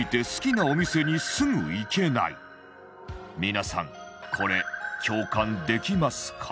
皆さんこれ共感できますか？